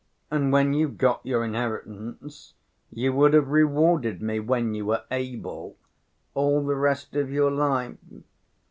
And when you got your inheritance you would have rewarded me when you were able, all the rest of your life.